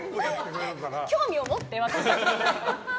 興味を持って！